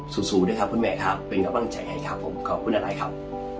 สู้ด้วยครับคุณแม่ครับเป็นกำลังใจไงครับผมขอบคุณอะไรครับ